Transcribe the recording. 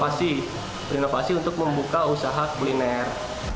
ini adalah inovasi untuk membuka usaha kuliner